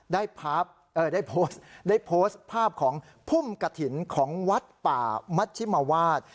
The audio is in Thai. ได้โพสต์ภาพของพุ่มกะถิ่นของวัดป่ามัชชิมวาด